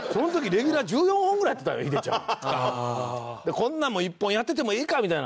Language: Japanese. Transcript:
こんなんも１本やっててもええかみたいな。